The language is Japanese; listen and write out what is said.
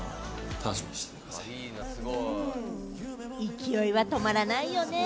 勢いは止まらないよね。